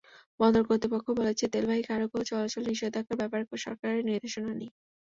বন্দর কর্তৃপক্ষ বলছে, তেলবাহী কার্গো চলাচলে নিষেধাজ্ঞার ব্যাপারে সরকারের নির্দেশনা নেই।